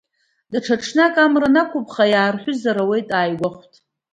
Даҽа ҽнак амра анақәԥха иаарҳәызар ауеит ааигәахәт.